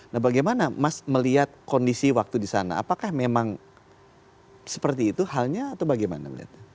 nah bagaimana mas melihat kondisi waktu di sana apakah memang seperti itu halnya atau bagaimana melihatnya